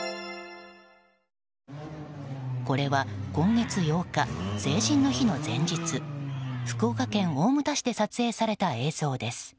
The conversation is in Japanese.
これは今月８日成人の日の前日福岡県大牟田市で撮影された映像です。